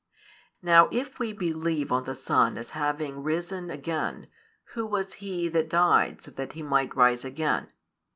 Now if we believe on the Son as having risen again, who was He that died so that He might rise again?